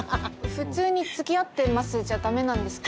普通につきあってますじゃダメなんですか？